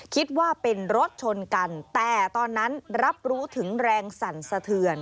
คิดว่าเป็นรถชนกันแต่ตอนนั้นรับรู้ถึงแรงสั่นสะเทือน